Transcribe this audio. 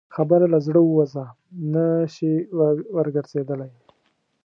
خبره له زړه ووځه، نه شې ورګرځېدلی.